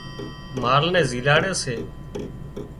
مال نين زيلاڙي سي